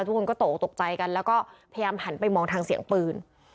ทุกคนก็ตกตกใจกันแล้วก็พยายามหันไปมองทางเสียงปืน